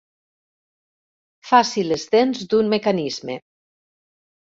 Faci les dents d'un mecanisme.